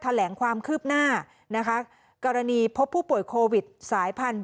แหลงความคืบหน้านะคะกรณีพบผู้ป่วยโควิดสายพันธ